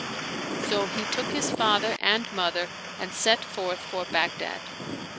So he took his father and mother and set forth for Baghdad.